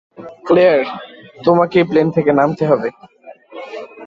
Claire, তোমাকেই plane থেকে নামতে হবে।